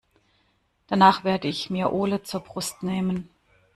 Danach werde ich mir Ole zur Brust nehmen.